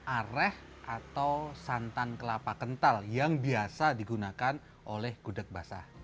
areh atau santan kelapa kental yang biasa digunakan oleh gudeg basah